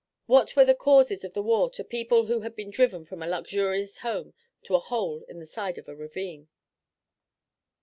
What were the causes of the war to people who had been driven from a luxurious home to a hole in the side of a ravine?